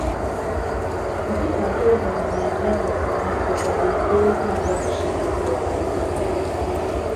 A világ élvonalát legjobban megközelítő magyar síugrók egyike.